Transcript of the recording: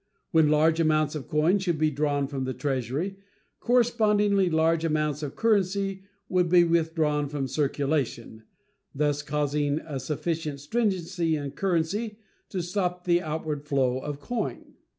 When large amounts of coin should be drawn from the Treasury, correspondingly large amounts of currency would be withdrawn from circulation, thus causing a sufficient stringency in currency to stop the outward flow of coin.